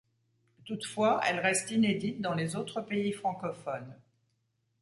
Toutefois, elle reste inédite dans les autres pays francophones.